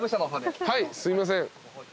はいすいません。